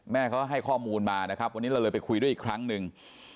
แม่เขาให้ข้อมูลมานะครับวันนี้เราเลยไปคุยด้วยอีกครั้งหนึ่ง